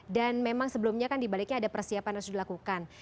dan memang sebelumnya kan dibaliknya ada persiapan yang harus dilakukan